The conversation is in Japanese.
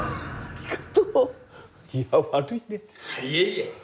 いえいえ。